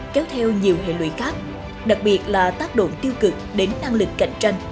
kéo theo nhiều hệ lụy khác đặc biệt là tác động tiêu cực đến năng lực cạnh tranh